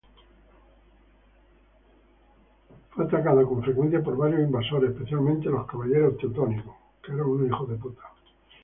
Fue atacada con frecuencia por varios invasores, especialmente los Caballeros Teutónicos.